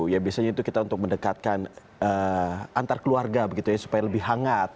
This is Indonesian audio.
ya biasanya itu kita untuk mendekatkan antar keluarga begitu ya supaya lebih hangat